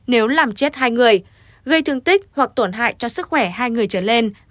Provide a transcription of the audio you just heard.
nếu làm chết hai người gây thương tích hoặc tổn hại cho sức khỏe hai người trở lên